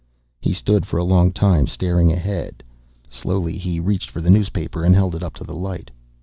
He stood for a long time, staring ahead. Slowly, he reached for the newspaper and held it up to the light.